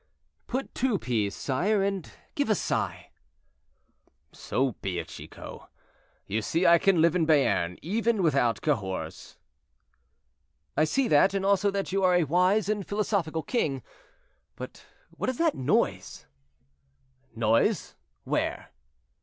"Put two P's, sire, and give a sigh." "So be it, Chicot; you see I can live in Béarn, even without Cahors." "I see that, and also that you are a wise and philosophical king. But what is that noise?" "Noise, where?"